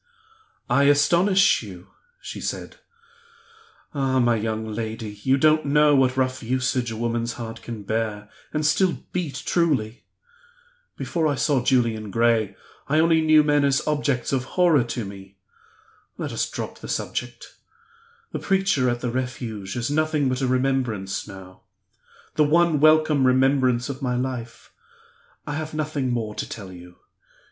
"I astonish you?" she said. "Ah, my young lady, you don't know what rough usage a woman's heart can bear, and still beat truly! Before I saw Julian Gray I only knew men as objects of horror to me. Let us drop the subject. The preacher at the Refuge is nothing but a remembrance now the one welcome remembrance of my life! I have nothing more to tell you.